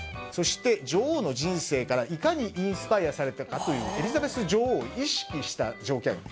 そして、女王の人生から、いかにインスパイアされたかというエリザベス女王を意識した条件。